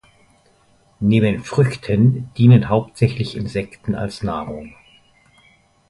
Neben Früchten dienen hauptsächlich Insekten als Nahrung.